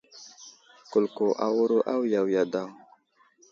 Kulko awuro awiya wiya daw.